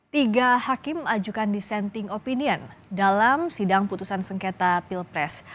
tiga hakim ajukan dissenting opinion dalam sidang putusan sengketa pilpres